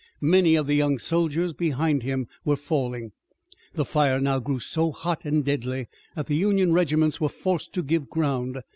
Many of the young soldiers behind him were falling. The fire now grew so hot and deadly that the Union regiments were forced to give ground.